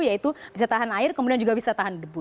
yaitu bisa tahan air kemudian juga bisa tahan debu